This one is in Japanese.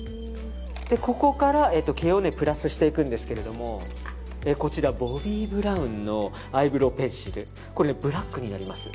ここから毛をプラスしていくんですがこちら、ボビイブラウンのアイブローペンシルこれ、ブラックになります。